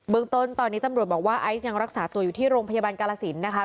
เมืองต้นตอนนี้ตำรวจบอกว่าไอซ์ยังรักษาตัวอยู่ที่โรงพยาบาลกาลสินนะคะ